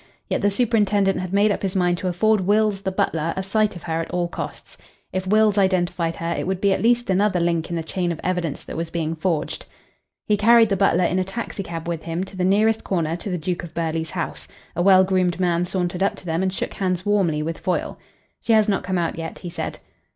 Yet the superintendent had made up his mind to afford Wills the butler a sight of her at all costs. If Wills identified her it would be at least another link in the chain of evidence that was being forged. He carried the butler in a taxicab with him to the nearest corner to the Duke of Burghley's house. A well groomed man sauntered up to them and shook hands warmly with Foyle. "She has not come out yet," he said.